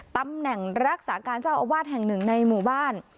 ตำแหน่งรักษาการเจ้าอาวาสแห่งหนึ่งในหมู่บ้าน